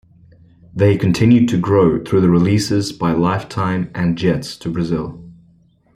They continued to grow through the releases by Lifetime and Jets to Brazil.